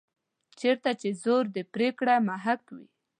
چېرته چې زور د پرېکړې محک وي.